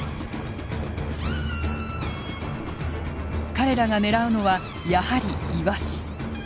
彼らが狙うのはやはりイワシ。